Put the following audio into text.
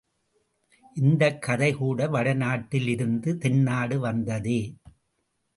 இந்தக் கதை கூட வடநாட்டிலிருந்து தென்னாடு வந்ததே.